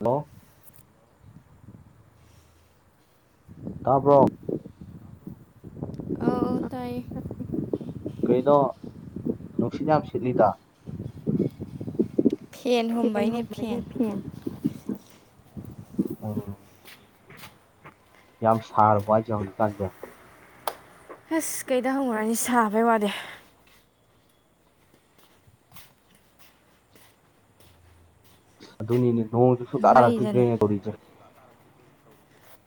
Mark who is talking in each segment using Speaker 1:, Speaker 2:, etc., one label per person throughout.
Speaker 1: hello ꯇꯕ꯭ꯔꯣ
Speaker 2: ꯑꯥꯎ ꯑꯧ ꯇꯥꯏꯌꯦ
Speaker 1: ꯀꯩꯅꯣ ꯅꯨꯡꯁꯤꯠ ꯌꯥꯝ ꯁꯤꯠꯂꯤꯗ ꯐꯦꯟ ꯍꯨꯃꯕꯒꯤ ꯐꯦꯟ ꯌꯥꯝ ꯁꯥꯔꯕꯣ ꯍꯥꯏꯖꯦ ꯍꯧꯖꯤꯛꯀꯥꯟꯖꯦ
Speaker 2: ꯍꯩꯁ ꯀꯩꯗ ꯍꯪꯉꯨꯔꯅꯤ ꯁꯥꯕꯩ ꯋꯥꯗꯦ
Speaker 1: ꯑꯗꯨꯨꯅꯤꯅꯤ ꯅꯣꯡꯗꯨꯁꯨ
Speaker 2: ꯃꯩꯗꯅꯤ
Speaker 1: ꯇꯥꯔꯛꯈꯤꯗ꯭ꯔꯦꯅꯦ ꯍꯧꯖꯤꯛꯁꯦ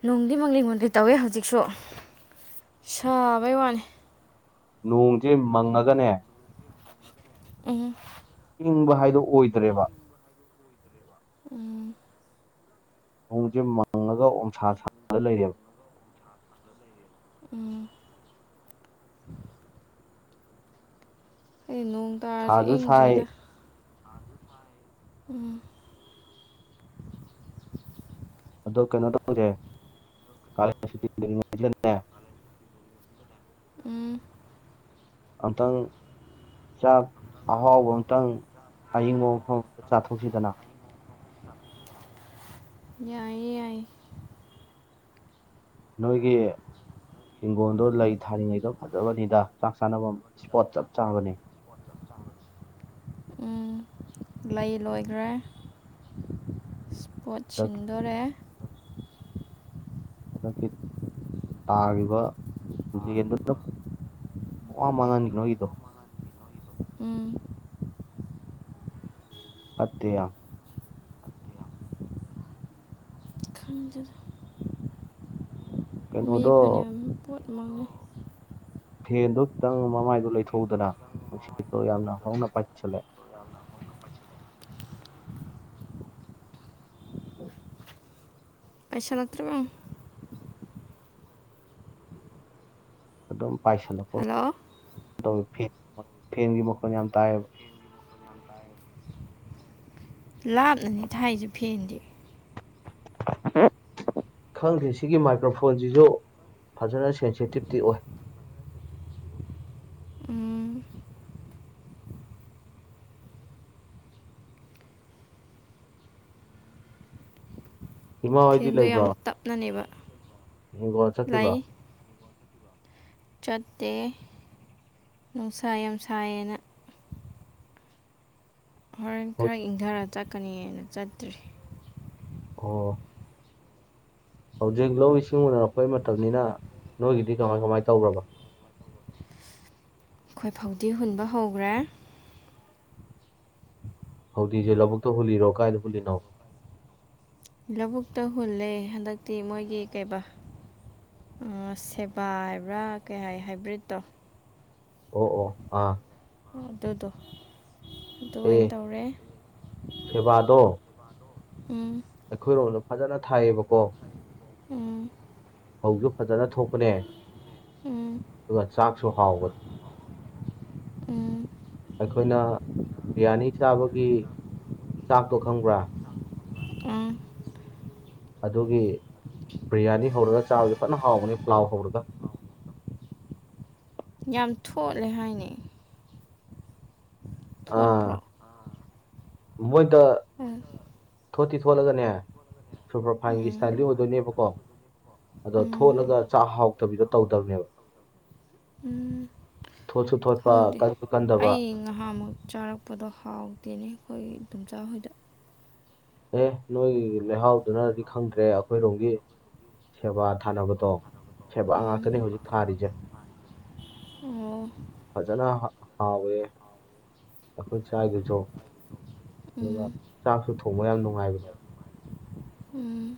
Speaker 2: ꯅꯨꯡꯗꯤ ꯃꯪꯂꯤ ꯃꯪꯂꯤ ꯇꯧꯋꯦ ꯍꯧꯖꯤꯛꯁꯨ ꯁꯥꯕꯩ ꯋꯥꯅꯤ
Speaker 1: ꯅꯣꯡꯁꯦ ꯃꯪꯉꯒꯅꯦ
Speaker 2: ꯎꯝ
Speaker 1: ꯏꯪꯕ ꯍꯥꯏꯗꯣ ꯑꯣꯏꯗ꯭ꯔꯦꯕ
Speaker 2: ꯎꯝ
Speaker 1: ꯅꯣꯡꯁꯦ ꯃꯪꯉꯒ ꯑꯣꯝꯁꯥ ꯁꯥꯔ ꯂꯩꯌꯦꯕ
Speaker 2: ꯎꯝ ꯗꯔꯖꯨ
Speaker 1: ꯁꯥꯁꯨ ꯁꯥꯏ
Speaker 2: ꯏꯪꯗ꯭ꯔꯦꯗ ꯎꯝ
Speaker 1: ꯑꯗꯣ ꯀꯩꯅꯣ ꯇꯧꯖꯦ ꯀꯂꯦꯟ ꯁꯨꯇꯤ [unintelligible]
Speaker 2: ꯎꯝ
Speaker 1: ꯑꯝꯇꯪ ꯆꯥꯛ ꯑꯍꯥꯎꯕ ꯑꯝꯇꯪ ꯑꯏꯤꯡꯕ ꯃꯐꯝ ꯑꯝꯗ ꯆꯥꯊꯣꯛꯁꯤꯗꯅ
Speaker 2: ꯌꯥꯏꯌꯦ ꯌꯥꯏꯌꯦ
Speaker 1: ꯅꯣꯏꯒꯤ ꯍꯤꯡꯒꯣꯜꯗꯣ ꯂꯩ ꯊꯥꯔꯤꯉꯩꯗ ꯐꯖꯕꯅꯤꯗ ꯆꯥꯛ ꯆꯥꯅꯕꯝ ꯏꯁꯄꯣꯠ ꯆꯞ ꯆꯥꯕꯅꯦ
Speaker 2: ꯎꯝ ꯂꯩ ꯂꯣꯏꯒ꯭ꯔꯦ ꯄꯣꯠ
Speaker 1: ꯑꯗ
Speaker 2: ꯁꯤꯟꯗꯣꯔꯦ
Speaker 1: ꯍꯟꯗꯛꯀꯤ ꯇꯥꯒꯤꯕ ꯂꯦꯟꯗꯨꯗ [unintelligible]
Speaker 2: ꯎꯝ
Speaker 1: ꯐꯠꯇꯦ ꯌꯥꯝ
Speaker 2: ꯈꯪꯗꯦꯗ ꯃꯤ
Speaker 1: ꯀꯩꯅꯣꯗꯣ
Speaker 2: ꯐꯅꯌꯥꯝ ꯄꯣꯠ ꯃꯥꯡꯂꯦ
Speaker 1: ꯐꯦꯟꯗꯣ ꯈꯤꯇꯪ ꯃꯃꯥꯏꯗꯣ ꯂꯩꯊꯣꯛꯎꯗꯅ ꯅꯨꯡꯁꯤꯠꯇꯣ ꯌꯥꯝꯅ ꯍꯧꯅ ꯄꯥꯏꯁꯤꯜꯂꯦ [inaudible] [inaudible]
Speaker 2: ꯄꯥꯏꯁꯜꯂꯛꯇ꯭ꯔꯥꯕ ꯌꯦꯡꯉꯣ
Speaker 1: ꯑꯗꯨꯝ ꯄꯥꯏꯁꯜꯄ
Speaker 2: ꯍꯜꯂꯣ
Speaker 1: ꯇꯧꯏ ꯐꯦꯟꯒꯤ ꯃꯈꯣꯜ ꯌꯝ ꯇꯥꯏꯌꯦꯕ
Speaker 2: ꯂꯥꯞꯅꯅꯤ ꯊꯥꯏꯁꯦ ꯐꯦꯟꯗꯤ
Speaker 1: [inaudible] ꯈꯪꯗꯦ ꯁꯤꯒꯤ ꯃꯥꯏꯀ꯭ꯔꯐꯣꯟꯁꯤꯁꯨ ꯐꯖꯅ ꯁꯦꯟꯁꯤꯇꯤꯞꯇꯤ ꯑꯣꯏ [inaudible]
Speaker 2: ꯎꯝ
Speaker 1: ꯏꯃꯥ ꯍꯣꯏꯗꯤ
Speaker 2: ꯐꯦꯟꯗꯣ ꯌꯥꯝ
Speaker 1: ꯂꯩꯕ꯭ꯔꯣ
Speaker 2: ꯇꯞꯅꯅꯦꯕ
Speaker 1: ꯍꯤꯡꯒꯣꯜ
Speaker 2: ꯂꯩ
Speaker 1: ꯆꯠꯈꯤꯕ꯭ꯔꯣ
Speaker 2: ꯆꯠꯇꯦ ꯅꯨꯡꯁꯥ ꯌꯥꯝ ꯁꯥꯏꯑꯦꯅ ꯍꯣꯔꯦꯟ ꯈꯔ ꯏꯪꯊꯔ ꯆꯠꯀꯅꯤꯅ ꯆꯠꯇ꯭ꯔꯤ
Speaker 1: ꯑꯣ ꯍꯧꯖꯤꯛ ꯂꯧ ꯏꯁꯤꯡ ꯎꯅꯔꯛꯄꯩ ꯃꯇꯝꯅꯤꯅ ꯅꯣꯏꯒꯤꯗꯤ ꯀꯃꯥꯏ ꯀꯃꯥꯏ ꯇꯧꯒ꯭ꯔꯥꯕ [inaudible]
Speaker 2: ꯑꯩꯈꯣꯏ ꯐꯧꯗꯤ ꯍꯨꯟꯕ ꯍꯧꯒ꯭ꯔꯦ
Speaker 1: ꯐꯧꯗꯤꯁꯦ ꯂꯧꯕꯨꯛꯇ ꯍꯨꯜꯂꯤꯔꯣ ꯀꯥꯏꯗ ꯍꯨꯜꯂꯤꯅꯣ
Speaker 2: ꯂꯧꯕꯨꯛꯇ ꯍꯨꯜꯂꯦ ꯍꯟꯗꯛꯇꯤ ꯃꯣꯏꯒꯤ ꯀꯩꯕꯥ ꯑꯥ ꯁꯦꯕꯥ ꯍꯥꯏꯕ꯭ꯔꯥ ꯀꯩ ꯍꯥꯏ ꯍꯥꯏꯕ꯭ꯔꯤꯠꯇꯣ
Speaker 1: ꯑꯣ ꯑꯣ ꯑꯥ
Speaker 2: ꯑꯗꯨꯗꯣ ꯑꯗꯨ
Speaker 1: ꯑꯦ
Speaker 2: ꯑꯣꯏꯅ ꯇꯧꯔꯦ
Speaker 1: ꯁꯦꯕꯥꯗꯣ
Speaker 2: ꯎꯝ
Speaker 1: ꯑꯩꯈꯣꯏꯔꯣꯝ ꯐꯖꯅ ꯊꯥꯏꯌꯦꯕꯀꯣ
Speaker 2: ꯎꯝ
Speaker 1: ꯐꯧꯁꯨ ꯐꯖꯅ ꯊꯣꯛꯄꯅꯦ
Speaker 2: ꯎꯝ
Speaker 1: ꯑꯗꯨꯒ ꯆꯥꯛꯁꯨ ꯍꯥꯎꯕ
Speaker 2: ꯎꯝ
Speaker 1: ꯑꯩꯈꯣꯏꯅ ꯕ꯭ꯤꯔꯌꯥꯅꯤ ꯆꯥꯕꯒꯤ ꯆꯥꯛꯇꯣ ꯈꯪꯕ꯭ꯔꯥ
Speaker 2: ꯎꯝ
Speaker 1: ꯑꯗꯨꯒꯤ ꯕꯤ꯭ꯔꯌꯥꯅꯤ ꯍꯧꯔꯒ ꯆꯥꯕꯁꯨ ꯐꯅ ꯍꯥꯎꯕꯅꯦ ꯄ꯭ꯂꯥꯎ ꯍꯧꯔꯒ [inaudible]
Speaker 2: ꯌꯥꯝ ꯊꯣꯠꯂꯦ ꯍꯥꯏꯅꯦ
Speaker 1: ꯑꯥ
Speaker 2: ꯊꯣꯠꯄ꯭ꯔꯣ
Speaker 1: ꯃꯣꯏꯗ
Speaker 2: ꯑꯥ
Speaker 1: ꯊꯣꯠꯇꯤ ꯊꯣꯠꯂꯒꯅꯦ ꯁꯨꯔꯄꯔ ꯐꯥꯏꯟꯒꯤ
Speaker 2: ꯎꯝ
Speaker 1: ꯏꯁꯇꯥꯏꯜꯗꯤ ꯑꯣꯏꯗꯣꯏꯅꯦꯕꯀꯣ ꯑꯗꯣ
Speaker 2: ꯎꯝ
Speaker 1: ꯊꯣꯠꯂꯒ ꯆꯥꯛ ꯍꯥꯎꯇꯕꯤꯗ ꯇꯧꯗꯕꯅꯦꯕ
Speaker 2: ꯎꯝ
Speaker 1: ꯊꯣꯠꯁꯨ ꯊꯣꯠꯄ
Speaker 2: ꯈꯪꯗꯦ
Speaker 1: ꯀꯟꯁꯨ ꯀꯟꯗꯕ
Speaker 2: ꯑꯩ ꯉꯥꯍꯥꯛꯃꯨꯛ ꯆꯥꯔꯛꯄꯗꯣ ꯍꯥꯎꯇꯦꯅꯦ ꯍꯣꯏꯒꯤ ꯏꯗꯣꯝꯆꯥ ꯍꯣꯏꯗ
Speaker 1: ꯑꯦ ꯅꯣꯏꯒꯤ ꯂꯩꯍꯥꯎꯗꯨꯅꯗꯤ ꯈꯪꯗ꯭ꯔꯦ ꯑꯩꯈꯣꯏꯔꯣꯝꯒꯤ ꯁꯦꯕꯥ ꯊꯥꯅꯕꯗꯣ ꯁꯦꯕꯥ
Speaker 2: ꯎꯝ
Speaker 1: ꯉꯥꯛꯇꯅꯦ ꯍꯧꯖꯤꯛ ꯊꯥꯔꯤꯖꯦ
Speaker 2: ꯑꯣ
Speaker 1: ꯐꯖꯅ ꯍꯥꯎꯋꯦ ꯑꯩꯈꯣꯏ ꯆꯥꯒꯤꯖꯣ ꯑꯗꯨꯒ
Speaker 2: ꯎꯝ
Speaker 1: ꯆꯥꯛꯁꯨ ꯊꯣꯡꯕ ꯌꯥꯝ ꯅꯨꯡꯉꯥꯏꯕꯅꯦ
Speaker 2: ꯎꯝ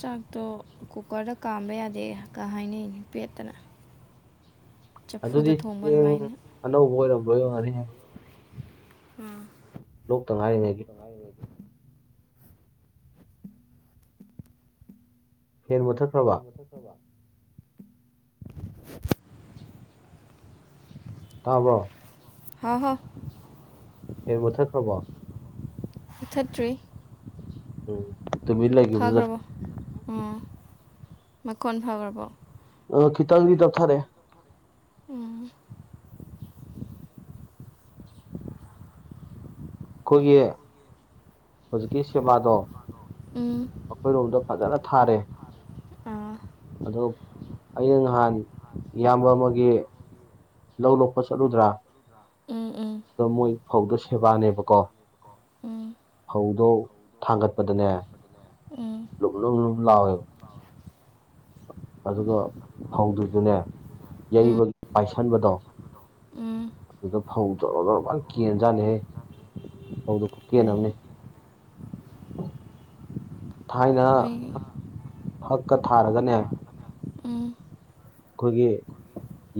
Speaker 2: ꯆꯥꯛꯇꯣ ꯀꯨꯀꯔꯗ ꯀꯥꯝꯕ ꯌꯥꯗꯦ ꯀꯍꯥꯏꯅꯩꯅꯦ ꯄꯦꯠꯇꯅ
Speaker 1: ꯑꯗꯨꯗꯤ
Speaker 2: ꯆꯐꯨꯗ ꯊꯣꯡꯕ
Speaker 1: ꯆꯦꯡ
Speaker 2: ꯑꯗꯨꯃꯥꯏꯅ
Speaker 1: ꯑꯅꯧꯕ ꯑꯣꯏꯔꯝꯕ ꯋꯅꯤꯍꯦ
Speaker 2: ꯎꯝ
Speaker 1: ꯂꯣꯛꯇ ꯉꯥꯏꯔꯤꯉꯩꯒꯤ ꯐꯦꯟ ꯃꯨꯊꯠ
Speaker 2: ꯐꯦꯟ ꯃꯨꯊꯠꯈ꯭ꯔꯕ
Speaker 1: ꯇꯥꯕ꯭ꯔꯣ
Speaker 2: ꯍꯥꯎ ꯍꯥꯎ
Speaker 1: ꯐꯦꯟ ꯃꯨꯊꯠꯈ꯭ꯔꯕꯣ
Speaker 2: ꯃꯨꯊꯠꯇ꯭ꯔꯤ
Speaker 1: ꯎꯝ ꯇꯨꯃꯤꯟ ꯂꯩꯈꯤꯕꯗꯨꯗ
Speaker 2: ꯐꯈ꯭ꯔꯕꯣ ꯎꯝ ꯃꯈꯣꯟ ꯐꯈ꯭ꯔꯕꯣ
Speaker 1: ꯎꯝ ꯈꯤꯇꯪꯗꯤ ꯇꯞꯊꯔꯦ
Speaker 2: ꯎꯝ
Speaker 1: ꯑꯩꯈꯣꯏꯒꯤ ꯍꯧꯖꯤꯛꯀꯤ ꯁꯦꯕꯥꯗꯣ
Speaker 2: ꯎꯝ
Speaker 1: ꯑꯩꯈꯣꯏꯔꯣꯝꯗ ꯐꯖꯅ ꯊꯥꯔꯦ
Speaker 2: ꯑꯥ
Speaker 1: ꯑꯗꯨ ꯑꯩꯅ ꯅꯍꯥꯟ ꯏꯌꯥꯝꯕ ꯑꯃꯒꯤ ꯂꯧ ꯂꯣꯛꯄ ꯆꯠꯂꯨꯗ꯭ꯔꯥ
Speaker 2: ꯎꯝ ꯎꯝ
Speaker 1: ꯑꯗꯣ ꯃꯣꯏ ꯐꯧꯗ ꯁꯦꯕꯥꯅꯦꯕꯀꯣ
Speaker 2: ꯎꯝ
Speaker 1: ꯐꯧꯗꯣ ꯊꯥꯡꯒꯠꯄꯗꯅꯦ
Speaker 2: ꯎꯝ
Speaker 1: ꯂꯨꯝ ꯂꯨꯝ ꯂꯥꯎꯑꯦ ꯑꯗꯨꯒ ꯐꯧꯗꯨꯖꯨꯅꯦ
Speaker 2: ꯎꯝ
Speaker 1: ꯌꯩꯕ ꯄꯥꯏꯁꯟꯕꯗꯣ
Speaker 2: ꯎꯝ
Speaker 1: ꯑꯗꯨꯗ ꯐꯧ ꯖꯣꯔꯣ ꯖꯣꯔꯤ ꯀꯦꯟꯖꯥꯠꯅꯤꯍꯦ ꯐꯧꯗꯣ ꯈꯨꯠ ꯀꯦꯟ
Speaker 2: ꯎꯝ
Speaker 1: ꯑꯃꯅꯦ ꯊꯥꯏꯅ
Speaker 2: ꯑꯣꯏ
Speaker 1: ꯐꯛꯀ ꯊꯥꯔꯒꯅꯦ
Speaker 2: ꯎꯝ
Speaker 1: ꯑꯩꯈꯣꯏꯒꯤ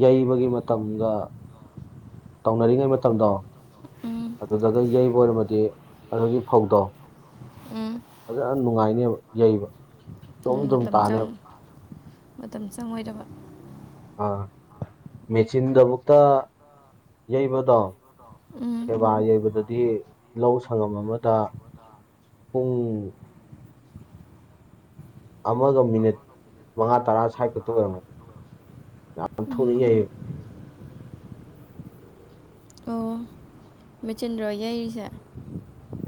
Speaker 1: ꯌꯩꯕꯒꯤ ꯃꯇꯝꯒ ꯇꯧꯅꯔꯤꯉꯩ ꯃꯇꯝꯗꯣ
Speaker 2: ꯎꯝ
Speaker 1: ꯑꯗꯨꯒ ꯌꯩꯕ ꯑꯣꯏꯔꯃꯗꯤ ꯑꯗꯨꯒꯤ ꯐꯧꯗꯣ
Speaker 2: ꯎꯝ
Speaker 1: ꯑꯗꯨ ꯌꯥꯝ ꯅꯨꯡꯉꯥꯏꯅꯦꯕ ꯌꯩꯕ ꯖꯣꯝ
Speaker 2: ꯎꯝ
Speaker 1: ꯖꯣꯝ
Speaker 2: ꯃꯇꯝ ꯆꯪ
Speaker 1: ꯇꯥꯅꯦꯕ
Speaker 2: ꯃꯇꯝ ꯆꯪꯉꯣꯏꯗꯕ
Speaker 1: ꯑꯥ ꯃꯦꯆꯤꯟꯗꯕꯨꯨꯛꯇ ꯌꯩꯕꯗꯣ
Speaker 2: ꯎꯝ
Speaker 1: ꯁꯦꯕꯥ ꯌꯩꯕꯗꯗꯤ ꯂꯧ ꯁꯪꯉꯝ ꯑꯃꯗ ꯎꯝ ꯑꯃꯒ ꯃꯤꯅꯤꯠ ꯃꯉꯥ ꯇꯔꯥ ꯁ꯭ꯋꯥꯏ ꯈꯛꯇ ꯑꯣꯏꯔꯝꯃꯣꯏ ꯌꯥꯝ ꯊꯣꯛ
Speaker 2: ꯎꯝ
Speaker 1: ꯏꯍꯦ
Speaker 2: ꯃꯦꯆꯤꯟꯗ꯭ꯔꯣ ꯌꯩꯔꯤꯁꯦ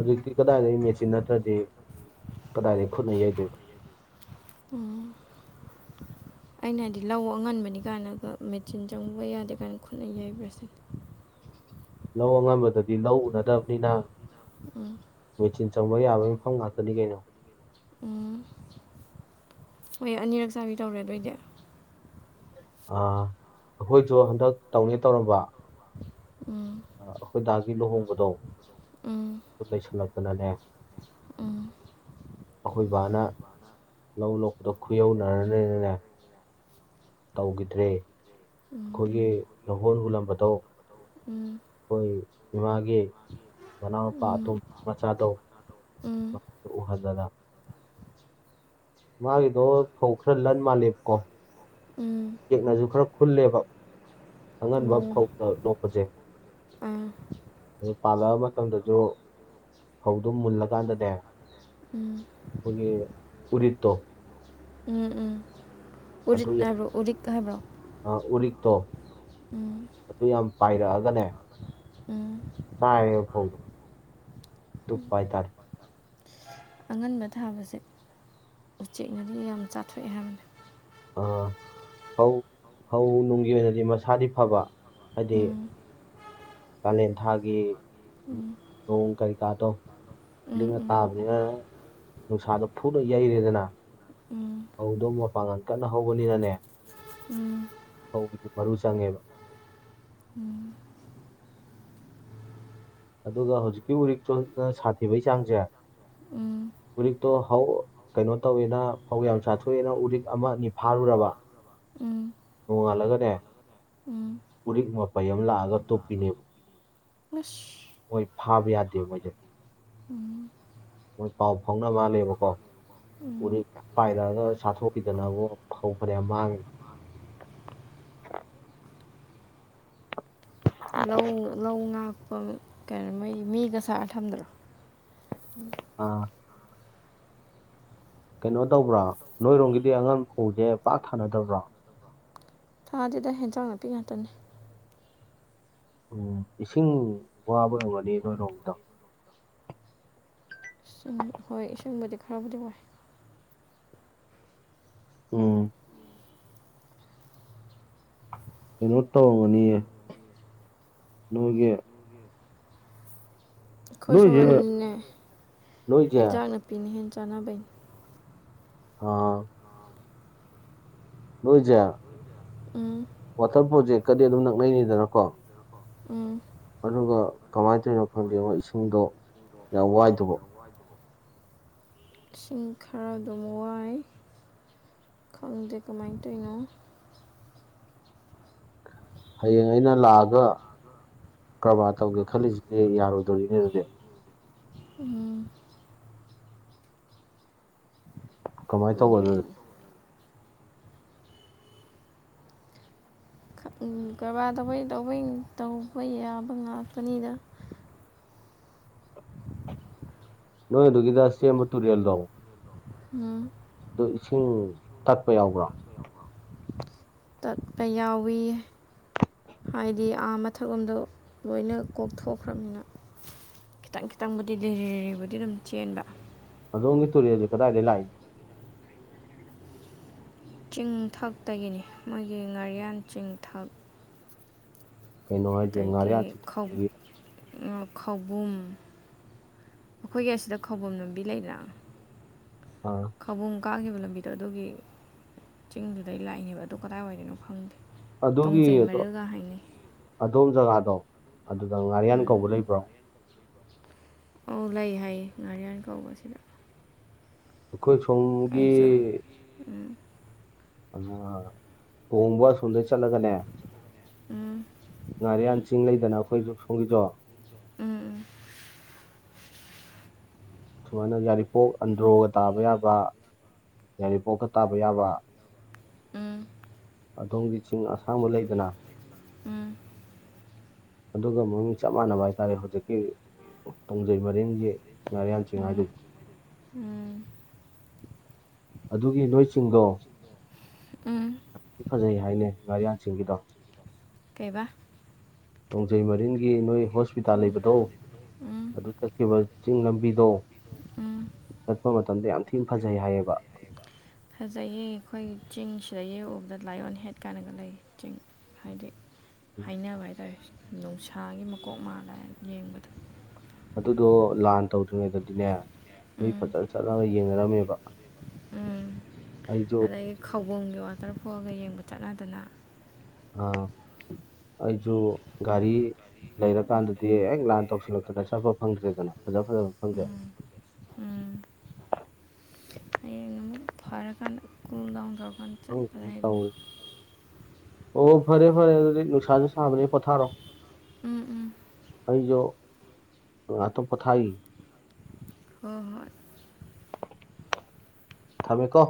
Speaker 1: ꯍꯧꯖꯤꯛꯇꯤ ꯀꯗꯥꯏꯗꯒꯤ ꯃꯦꯆꯤꯟ ꯅꯠꯇ꯭ꯔꯗꯤ ꯀꯗꯥꯏꯗꯒꯤ ꯈꯨꯠꯅ ꯌꯩꯗꯣꯏꯕ
Speaker 2: ꯑꯣ ꯑꯩꯅ ꯍꯥꯏꯗꯤ ꯂꯧ ꯑꯉꯟꯕꯅꯤ ꯀꯥꯏꯅꯒ ꯃꯦꯆꯤꯟ ꯆꯪꯕ ꯌꯥꯗꯦ ꯀꯥꯏꯅ ꯈꯨꯠꯅ ꯌꯩꯕ꯭ꯔ ꯁꯤꯅꯤ
Speaker 1: ꯂꯧ ꯑꯉꯝꯕꯗꯗꯤ ꯂꯧ ꯎꯅꯗꯕꯅꯤꯅ
Speaker 2: ꯎꯝ
Speaker 1: ꯃꯦꯆꯤꯟ ꯆꯪꯕ ꯌꯥꯕ ꯃꯤꯐꯝ ꯉꯥꯛꯇꯅꯤ ꯀꯩꯅꯣ
Speaker 2: ꯎꯝ ꯍꯣꯏ ꯑꯅꯤꯔꯛ ꯆꯥꯕꯤ ꯇꯧꯔꯦ ꯑꯗꯨ ꯑꯣꯏꯗꯤ
Speaker 1: ꯑꯥ ꯑꯩꯈꯣꯏꯁꯨ ꯍꯟꯗꯛ ꯇꯧꯒꯦ ꯇꯧꯔꯝꯕ
Speaker 2: ꯎꯝ
Speaker 1: ꯑꯩꯈꯣꯏꯗꯥꯒꯤ ꯂꯨꯍꯣꯡꯕꯗꯣ
Speaker 2: ꯎꯝ
Speaker 1: ꯅꯩꯁꯜꯂꯛꯇꯗꯅꯦ
Speaker 2: ꯎꯝ
Speaker 1: ꯑꯩꯈꯣꯏ ꯕꯥꯅ ꯂꯧ ꯂꯣꯛꯄꯗ ꯈꯨꯌꯧꯅꯔꯅꯤꯅꯅꯦ ꯇꯧꯈꯤꯗ꯭ꯔꯦ
Speaker 2: ꯎꯝ
Speaker 1: ꯑꯩꯈꯣꯏꯒꯤ ꯂꯧꯍꯣꯟ ꯍꯨꯜꯂꯝꯕꯗꯣ
Speaker 2: ꯎꯝ
Speaker 1: ꯑꯩꯈꯣꯏ ꯏꯃꯥꯒꯤ ꯃꯅꯥꯎꯄꯥ
Speaker 2: ꯎꯝ
Speaker 1: ꯑꯇꯣꯝꯕ ꯃꯆꯥꯗꯣ
Speaker 2: ꯎꯝ
Speaker 1: ꯎꯍꯟꯗꯅ ꯃꯥꯒꯤꯗꯣ ꯐꯧ ꯈꯔ ꯂꯟ ꯃꯥꯟꯔꯦꯕꯀꯣ
Speaker 2: ꯎꯝ
Speaker 1: ꯎꯌꯦꯛꯅꯁꯨ ꯈꯔ ꯈꯨꯜꯂꯦꯕ ꯑꯉꯟꯕ
Speaker 2: ꯎꯝ
Speaker 1: ꯐꯧ ꯗ ꯂꯣꯛꯄꯁꯦ
Speaker 2: ꯑꯥ
Speaker 1: ꯑꯗꯨ ꯄꯥꯜꯂꯛꯑꯕ ꯃꯇꯝꯗꯁꯨ ꯐꯧꯗꯨ ꯃꯨꯜꯂꯀꯥꯟꯗꯅꯦ
Speaker 2: ꯎꯝ
Speaker 1: ꯍꯣꯏꯒꯤ ꯎꯔꯤꯠꯇꯣ
Speaker 2: ꯎꯝ ꯎꯝ ꯎꯔꯤꯠ ꯍꯥꯏꯕ꯭ꯔꯣ ꯎꯗꯤꯛ ꯍꯥꯏꯕ꯭ꯔꯣ
Speaker 1: ꯇꯣ
Speaker 2: ꯎꯝ
Speaker 1: ꯄꯥꯏꯔꯛꯑꯒꯅꯦ
Speaker 2: ꯑꯥ
Speaker 1: ꯆꯥꯏꯌꯦꯕ ꯐꯧꯗꯣ ꯇꯨꯞꯄ ꯍꯥꯏꯇꯥꯔꯦ
Speaker 2: ꯑꯉꯟꯕ ꯊꯥꯕꯁꯦ ꯎꯆꯦꯛꯅꯗꯤ ꯌꯥꯝ ꯆꯥꯊꯣꯛꯑꯦ ꯍꯥꯏꯕꯅꯦ
Speaker 1: ꯑꯥ ꯐꯧ ꯐꯧ ꯅꯨꯡꯒꯤ ꯑꯣꯏꯅꯗꯤ ꯃꯁꯥꯗꯤ ꯐꯕ ꯍꯥꯏꯗꯤ
Speaker 2: ꯎꯝ
Speaker 1: ꯀꯥꯂꯦꯟ ꯊꯥꯒꯤ
Speaker 2: ꯎꯝ
Speaker 1: ꯅꯣꯡ ꯀꯔꯤꯀꯥꯗꯣ
Speaker 2: ꯎꯝ ꯎꯝ
Speaker 1: ꯇꯥꯕꯅꯤꯅ ꯅꯨꯡꯁꯥꯗꯣ ꯐꯨꯅ ꯌꯩꯔꯦꯗꯅ
Speaker 2: ꯎꯝ
Speaker 1: ꯐꯧꯗꯣ ꯃꯄꯥꯡꯒꯜ ꯀꯟꯅ ꯍꯧꯕꯅꯤꯅꯅꯦ
Speaker 2: ꯎꯝ
Speaker 1: ꯐꯧꯗꯨꯗꯤ ꯃꯔꯨ ꯆꯪꯉꯦꯕ
Speaker 2: ꯎꯝ
Speaker 1: ꯑꯗꯨꯒ ꯍꯧꯖꯤꯛꯀꯤ ꯎꯔꯤꯛ ꯆꯣꯅ ꯁꯥꯊꯤꯕꯩ ꯆꯥꯡꯁꯦ
Speaker 2: ꯎꯝ
Speaker 1: ꯎꯔꯤꯛꯇꯣ ꯐꯧ ꯀꯩꯅꯣ ꯇꯧꯋꯦꯅ ꯐꯧ ꯌꯥꯝ ꯆꯥꯊꯣꯛꯑꯦꯅ ꯎꯔꯤꯛ ꯑꯃ ꯑꯅꯤ ꯐꯥꯔꯨꯔꯕ
Speaker 2: ꯎꯝ ꯎꯝ
Speaker 1: ꯎꯣꯡꯉꯥꯜꯂꯒꯅꯦ
Speaker 2: ꯎꯝ
Speaker 1: ꯎꯔꯤꯛ ꯃꯄꯩ ꯑꯃ ꯂꯥꯛꯑꯒ ꯇꯨꯞꯄꯤꯅꯦꯕ
Speaker 2: ꯑꯁ
Speaker 1: ꯃꯣꯏ ꯐꯥꯕ ꯌꯥꯗꯦ ꯃꯣꯏꯗꯤ
Speaker 2: ꯎꯝ
Speaker 1: ꯃꯣꯏ ꯄꯥꯎ ꯐꯥꯎꯅꯕ ꯃꯥꯜꯂꯦꯕꯀꯣ
Speaker 2: ꯎꯝ
Speaker 1: ꯎꯔꯤꯛ ꯄꯥꯏꯔꯛꯑꯒ ꯆꯥꯊꯣꯛꯈꯤꯗꯅꯕꯨ ꯐꯧ ꯐꯅꯌꯥꯝ ꯃꯥꯡꯉꯤ [inaudible]
Speaker 2: ꯂꯧ ꯂꯧ ꯉꯥꯛꯄ ꯀꯩꯅꯣ ꯃꯣꯏ ꯃꯤꯒ ꯁꯥꯔ ꯊꯝꯗ꯭ꯔꯣ
Speaker 1: ꯑꯥ ꯀꯩꯅꯣ ꯇꯧꯕ꯭ꯔꯥ ꯅꯣꯏꯔꯣꯝꯒꯤꯗꯤ ꯑꯉꯥꯡ ꯐꯧꯁꯦ ꯄꯥꯛ ꯊꯥꯅꯗꯕ꯭ꯔꯥ
Speaker 2: ꯊꯥꯗꯦꯗ ꯍꯦꯟꯁꯥꯡ ꯅꯥꯄꯤ ꯉꯥꯛꯇꯅꯦ
Speaker 1: ꯎꯝ ꯏꯁꯤꯡ ꯋꯥꯕꯩ ꯋꯥꯔꯤꯔꯣ ꯅꯣꯏꯔꯣꯝꯇ
Speaker 2: ꯁꯤꯡ ꯍꯣꯏ ꯏꯁꯤꯡꯕꯨꯗꯤ ꯈꯔꯕꯨꯗꯤ ꯋꯥꯏ
Speaker 1: ꯎꯝ ꯀꯩꯅꯣ ꯇꯧꯔꯝꯒꯅꯤꯌꯦ ꯅꯣꯏꯒꯤ
Speaker 2: ꯑꯩꯈꯣꯏ
Speaker 1: ꯅꯣꯏꯁꯦ
Speaker 2: ꯁꯣꯟꯅꯤꯅꯦ
Speaker 1: ꯅꯣꯏꯁꯦ
Speaker 2: ꯌꯦꯟꯖꯥꯡ ꯅꯥꯄꯤꯅꯦ ꯍꯦꯟ ꯆꯥꯅꯕꯩꯅꯦ
Speaker 1: ꯑꯥ ꯅꯣꯏꯖꯦ
Speaker 2: ꯎꯝ
Speaker 1: ꯋꯥꯇꯔ ꯄ꯭ꯔꯣꯖꯦꯛꯀꯗꯤ ꯑꯗꯨꯝ ꯅꯛꯅꯩꯅꯤꯗꯅꯀꯣ
Speaker 2: ꯎꯝ
Speaker 1: ꯑꯗꯨꯒ ꯀꯃꯥꯏꯅ ꯇꯧꯔꯤꯅꯣ ꯈꯪꯗꯦ ꯃꯣꯏ ꯏꯁꯤꯡꯗꯣ ꯌꯥꯝ ꯋꯥꯏꯗꯨꯕꯣ
Speaker 2: ꯏꯁꯤꯡ ꯈꯔ ꯗꯨꯝ ꯋꯥꯥꯏ ꯑꯗꯨꯗꯤ ꯀꯃꯥꯏꯅ ꯇꯧꯏꯅꯣ
Speaker 1: ꯍꯌꯦꯡ ꯑꯩꯅ ꯂꯥꯛꯑꯒ ꯀꯔꯕꯥꯔ ꯇꯧꯒꯦ ꯈꯜꯂꯤꯁꯤꯗꯤ ꯌꯥꯔꯣꯏꯗꯣꯔꯤꯅꯦ ꯑꯗꯨꯗꯤ
Speaker 2: ꯎꯝ
Speaker 1: ꯀꯃꯥꯏꯅ ꯇꯧꯕ ꯑꯗꯨꯗꯤ
Speaker 2: ꯎꯝ, ꯀꯔꯕꯥꯔ ꯇꯧꯕꯩ ꯇꯧꯕꯩ ꯇꯧꯕ ꯌꯥꯕ ꯉꯥꯛꯇꯅꯤꯗ
Speaker 1: ꯅꯣꯏ ꯑꯗꯨꯒꯤꯗ ꯁꯦꯝꯕ ꯇꯨꯔꯦꯜꯗꯣ
Speaker 2: ꯎꯝ
Speaker 1: ꯑꯗꯨ ꯏꯁꯤꯡ ꯊꯠꯄ ꯌꯥꯎꯕ꯭ꯔꯥ
Speaker 2: ꯄ ꯌꯥꯎꯏ ꯍꯥꯏꯗꯤ ꯑꯥ ꯃꯊꯛꯂꯣꯝꯗꯣ ꯂꯣꯏꯅ ꯀꯣꯛꯊꯣꯛꯈ꯭ꯔꯕꯅꯤꯅ ꯈꯤꯇꯪ ꯈꯤꯇꯪꯕꯨꯗꯤ ꯂꯤꯔꯤ ꯂꯤꯔꯤꯕꯨꯗꯤ ꯑꯗꯨꯝ ꯆꯦꯟꯕ
Speaker 1: ꯑꯗꯣꯝꯒꯤ ꯇꯨꯨꯔꯦꯜꯗꯨ ꯀꯗꯥꯏꯗꯒꯤ ꯂꯥꯛꯏꯅꯣ
Speaker 2: ꯆꯤꯡꯊꯛꯇꯒꯤꯅꯤ ꯃꯣꯏꯒꯤ ꯉꯥꯔꯤꯌꯥꯟ ꯆꯤꯡꯊꯛ
Speaker 1: ꯀꯩꯅꯣ ꯍꯥꯏꯁꯦ
Speaker 2: ꯑꯗꯩꯒꯤ
Speaker 1: ꯉꯥꯔꯤꯌꯥꯟ ꯁꯤꯗꯒꯤ
Speaker 2: [unintelligible] ꯈꯧꯕꯨꯝ ꯑꯩꯈꯣꯏꯒꯤ ꯑꯁꯤꯗ ꯈꯧꯕꯨꯝ ꯂꯝꯕꯤ ꯂꯩꯗꯅ
Speaker 1: ꯑꯥ
Speaker 2: ꯀꯥꯒꯤꯕ ꯂꯝꯕꯤꯗꯣ ꯑꯗꯨꯒꯤ ꯆꯤꯡꯗꯨꯗꯩ ꯂꯥꯛꯏꯅꯦꯕ ꯑꯗꯣ ꯀꯗꯥꯏꯋꯥꯏꯗꯩꯅꯣ ꯈꯪꯗꯦ ꯇꯣꯡꯖꯩ
Speaker 1: ꯑꯗꯨꯒꯤꯗꯣ
Speaker 2: ꯃꯔꯤꯜꯒ ꯍꯥꯏꯅꯩ
Speaker 1: ꯑꯗꯣꯝ ꯖꯒꯥꯗꯣ ꯑꯗꯨꯗ ꯉꯥꯔꯤꯌꯥꯟ
Speaker 2: ꯎꯝ
Speaker 1: ꯀꯧꯕ ꯂꯩꯕ꯭ꯔꯣ
Speaker 2: ꯑꯧ ꯂꯩ ꯍꯥꯏꯌꯦ ꯉꯥꯔꯤꯌꯥꯟ ꯀꯧꯕ ꯁꯤꯗ
Speaker 1: ꯑꯩꯈꯣꯏ ꯁꯣꯝꯒꯤ
Speaker 2: ꯎꯝ
Speaker 1: ꯑꯃ ꯀꯣꯡꯕ ꯑꯁꯣꯝꯗꯩ ꯆꯠꯂꯒꯅꯦ
Speaker 2: ꯎꯝ
Speaker 1: ꯉꯥꯔꯤꯌꯥꯟ ꯆꯤꯡ ꯂꯩꯗꯅ ꯑꯈꯣꯏꯁꯨ ꯁꯣꯝꯒꯤꯗꯣ
Speaker 2: ꯎꯝ
Speaker 1: ꯁꯨꯃꯥꯏꯅ ꯌꯥꯔꯤꯄꯣꯛ ꯑꯟꯗ꯭ꯔꯣꯒ ꯇꯥꯕ ꯌꯥꯕ ꯌꯥꯏꯔꯤ ꯄꯣꯛꯀ ꯇꯥꯕ ꯌꯥꯕ
Speaker 2: ꯎꯝ
Speaker 1: ꯑꯗꯣꯝꯒꯤ ꯆꯤꯡ ꯑꯁꯥꯡꯕ ꯂꯩꯗꯅ
Speaker 2: ꯎꯝ
Speaker 1: ꯑꯗꯨꯒ ꯃꯃꯤꯡ ꯆꯞ ꯃꯥꯟꯅꯕ ꯍꯥꯏꯇꯥꯔꯦ ꯍꯧꯖꯤꯛꯀꯤ ꯇꯨꯡꯖꯩ ꯃꯔꯤꯡꯒꯤ ꯉꯥꯔꯤꯌꯥꯟ ꯆꯤꯡ
Speaker 2: ꯎꯝ
Speaker 1: [inaudible]
Speaker 2: ꯎꯝ
Speaker 1: ꯑꯗꯨꯒꯤ ꯅꯣꯏ ꯆꯤꯡꯗꯣ
Speaker 2: ꯎꯝ
Speaker 1: ꯊꯤ ꯐꯖꯩ ꯍꯥꯏꯅꯦ ꯉꯥꯔꯤꯌꯥꯟꯆꯤꯡꯒꯤꯗꯣ
Speaker 2: ꯀꯩꯕꯥ
Speaker 1: ꯇꯣꯡꯖꯩ ꯃꯔꯤꯟꯒꯤ ꯅꯣꯏ ꯍꯣꯁꯄꯤꯇꯥꯜ
Speaker 2: ꯎꯝ
Speaker 1: ꯂꯩꯕꯗꯣ
Speaker 2: ꯎꯝ
Speaker 1: ꯑꯗꯨ ꯆꯠꯈꯤꯕ ꯆꯤꯡ ꯂꯝꯕꯤꯗꯣ
Speaker 2: ꯎꯝ
Speaker 1: ꯆꯠꯄ ꯃꯇꯝꯗ ꯌꯥꯝ ꯊꯤꯅ ꯐꯖꯩ ꯍꯥꯏꯌꯦꯕ
Speaker 2: ꯐꯖꯩꯌꯦ ꯑꯈꯣꯏ ꯆꯤꯡꯁꯤꯗ ꯌꯦ ꯎꯕꯗ ꯂꯥꯏꯑꯣꯟ ꯍꯦꯠ ꯀꯥꯏꯅꯒ ꯂꯩ ꯆꯤꯡ ꯍꯥꯏꯗꯤ ꯍꯥꯏꯅꯕ ꯍꯥꯏ ꯇꯥꯔꯦ ꯅꯨꯡꯁꯥꯒꯤ ꯃꯀꯣꯛ ꯃꯥꯜꯂ ꯌꯦꯡꯕꯗ
Speaker 1: ꯑꯗꯨꯗꯣ ꯂꯥꯟ ꯇꯧꯗ꯭ꯔꯤꯉꯩꯗꯗꯤꯅꯦ ꯅꯣꯏ
Speaker 2: ꯎꯝ
Speaker 1: ꯐꯖꯅ ꯆꯠꯂꯒ ꯌꯦꯡꯅꯔꯝꯃꯦꯕ
Speaker 2: ꯎꯝ
Speaker 1: ꯑꯩꯁꯨ
Speaker 2: ꯑꯗꯒꯤ ꯈꯧꯕꯨꯝꯒꯤ ꯋꯥꯇꯔꯐꯣꯜꯒ ꯌꯦꯡꯕ ꯆꯠꯅꯗꯅ
Speaker 1: ꯑꯥ ꯑꯩꯁꯨ ꯒꯥꯔꯤ
Speaker 2: ꯎꯝ
Speaker 1: ꯂꯩꯔꯀꯥꯟꯗꯗꯤ ꯍꯦꯛ ꯂꯥꯟ ꯇꯧꯁꯤꯜꯂꯛꯇꯅ ꯆꯠꯄ ꯐꯪꯗ꯭ꯔꯦꯗꯅ ꯐꯖ ꯐꯖꯕ ꯃꯐꯝꯁꯦ
Speaker 2: ꯎꯝ ꯎꯝ ꯑꯃꯨꯛ ꯐꯔꯀꯥꯟꯗ ꯀꯨꯜ ꯗꯥꯎꯟ ꯇꯧꯔꯀꯥꯟꯗ ꯆꯠꯄꯗ
Speaker 1: ꯈꯪꯗꯦꯗ
Speaker 2: ꯍꯥꯏꯗꯨꯅꯤ
Speaker 1: ꯇꯧꯔꯤꯁꯦ ꯑꯣ ꯐꯔꯦ ꯐꯔꯦ ꯑꯗꯨꯗꯤ ꯅꯨꯡꯁꯥꯁꯨ ꯁꯥꯕꯅꯤꯅ ꯄꯣꯊꯥꯔꯣ
Speaker 2: ꯎꯝ ꯎꯝ
Speaker 1: ꯑꯩꯁꯨ ꯉꯥꯇꯪ ꯄꯣꯊꯥꯈꯤꯒꯦ
Speaker 2: ꯍꯣꯏ ꯍꯣꯏ
Speaker 1: ꯊꯝꯃꯦ ꯀꯣ